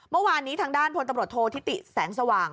เมื่อวานนี้ทางด้านพลตำรวจโทษธิติแสงสว่าง